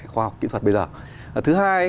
khoa học kỹ thuật bây giờ thứ hai